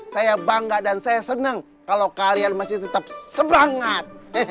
saya bangga dan saya senang kalau kalian masih tetap semangat